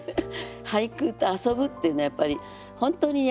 俳句と遊ぶっていうのはやっぱり本当にいいですよね。